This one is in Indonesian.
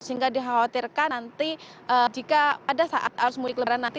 sehingga dikhawatirkan nanti jika pada saat arus mudik lebaran nanti